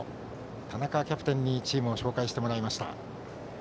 田中キャプテンにチームを紹介してもらいました。